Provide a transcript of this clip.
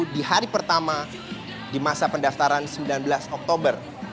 di hari pertama di masa pendaftaran sembilan belas oktober